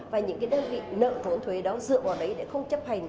và những cái đơn vị nợ vốn thuế đó dựa vào đấy để không chấp hành